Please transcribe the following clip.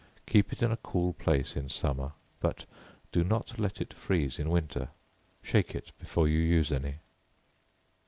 Keep it in a cool place in summer, but do not let it freeze in winter; shake it before you use any.